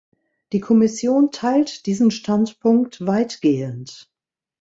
Die Kommission teilt diesen Standpunkt weit gehend.